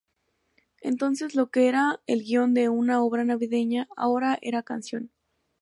Entonces lo que era el guion de una obra Navideña, ahora era canción.